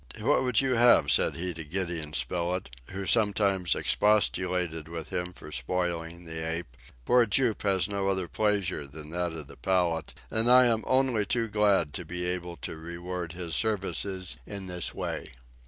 "What would you have?" said he to Gideon Spilett, who sometimes expostulated with him for spoiling the ape. "Poor Jup has no other pleasure than that of the palate, and I am only too glad to be able to reward his services in this way!"